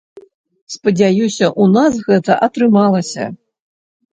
Спадзяюся, у нас гэта атрымалася.